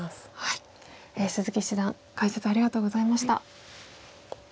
鈴木七段解説ありがとうございました。